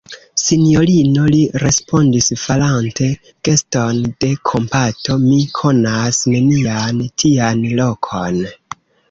Sinjorino, li respondis, farante geston de kompato, mi konas nenian tian lokon.